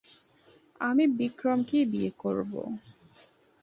আমি বিক্রমকেই বিয়ে করব।